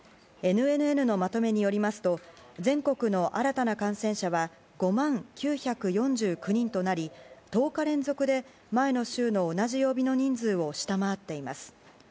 ＮＮＮのまとめによりますと全国の新たな感染者は５万９４９人となり１０日連続で前の週の同じ曜日の人数を下回っています。